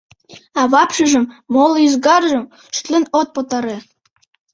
А вапшыжым, моло ӱзгаржым — шотлен от пытаре!..